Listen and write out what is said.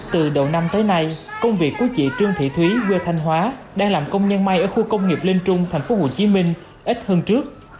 từ đầu năm tới nay công việc của chị trương thị thúy quê thanh hóa đang làm công nhân may ở khu công nghiệp lên trung thành phố hồ chí minh ít hơn trước